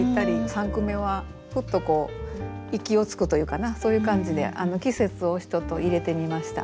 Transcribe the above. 三句目はふっとこう息をつくというかなそういう感じで季節を入れてみました。